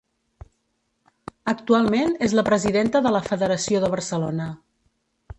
Actualment és la presidenta de la Federació de Barcelona.